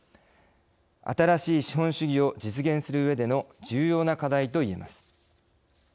新しい資本主義を実現するうえでの重要な課題といえます。